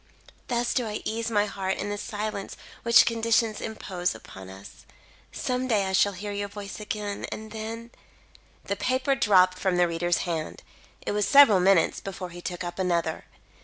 "Thus do I ease my heart in the silence which conditions impose upon us. Some day I shall hear your voice again, and then " The paper dropped from the reader's hand. It was several minutes before he took up another.